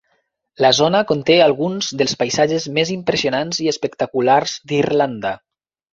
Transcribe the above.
La zona conté alguns dels paisatges més impressionants i espectaculars d'Irlanda.